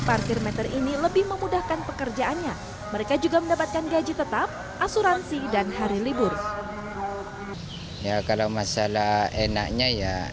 parkir meter ini lebih memudahkan pekerjaannya